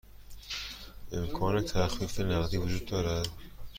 امکان تخفیف نقدی وجود دارد؟